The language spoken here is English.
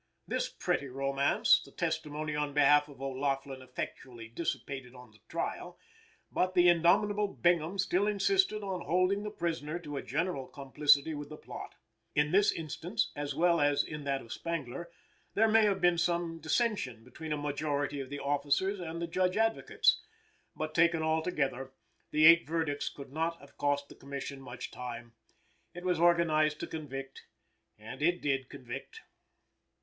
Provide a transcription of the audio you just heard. This pretty romance, the testimony on behalf of O'Laughlin effectually dissipated on the trial, but the indomitable Bingham still insisted on holding the prisoner to a general complicity with the plot. In this instance, as well as in that of Spangler, there may have been some dissension between a majority of the officers and the Judge Advocates, but, taken altogether, the eight verdicts could not have cost the Commission much time. It was organized to convict, and it did convict.